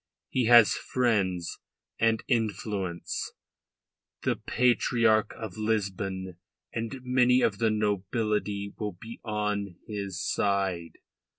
He has friends and influence the Patriarch of Lisbon and many of the nobility will be on his side.